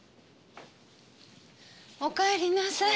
おかえりなさい。